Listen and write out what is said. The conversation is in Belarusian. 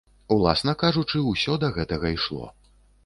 Уласна кажучы, усё да гэтага ішло.